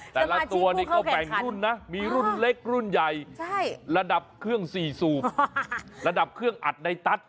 แต่ละตัวนี่ก็แบ่งรุ่นนะมีรุ่นเล็กรุ่นใหญ่ระดับเครื่องสี่สูบระดับเครื่องอัดในตัส